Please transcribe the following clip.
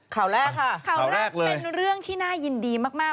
ข่าวแรกค่ะข่าวแรกเป็นเรื่องที่น่ายินดีมาก